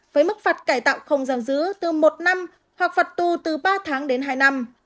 với mức phạt cải tạo không giam giữ từ một năm hoặc phạt tù từ ba tháng đến hai năm